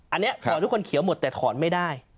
อันนี้ถอนทุกคนเขียวหมดแต่ถอนไม่ได้